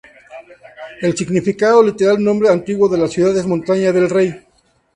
El significado literal del nombre antiguo de la ciudad es 'Montaña del Rey'.